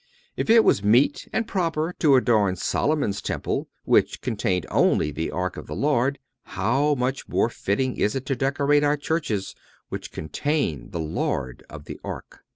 (277) If it was meet and proper to adorn Solomon's temple, which contained only the Ark of the Lord, how much more fitting is it to decorate our churches, which contain the Lord of the Ark?